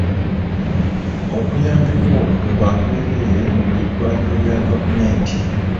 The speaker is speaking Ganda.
Okuyambibwa okwo kwa bwereere mu buli ddwaliro lya gavumenti.